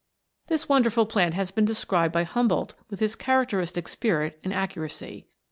This wonderful plant has been de scribed by Humboldt with his characteristic spirit and accuracy.